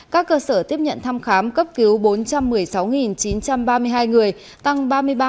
các cơ sở tiếp nhận thăm khám cấp cứu bốn trăm một mươi sáu chín trăm ba mươi hai người tăng ba mươi ba